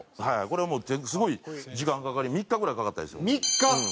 これはすごい時間かかり３日ぐらいかかったんですよ。